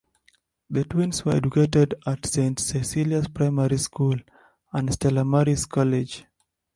The twins were educated at Saint Cecilia's Primary School and Stella Maris College.